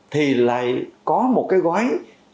thì lại có một cái gói